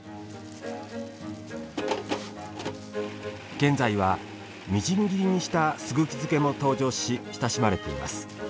現在は、みじん切りにしたすぐき漬けも登場し親しまれています。